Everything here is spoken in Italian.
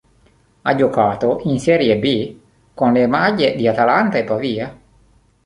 Ha giocato in Serie B con le maglie di Atalanta e Pavia.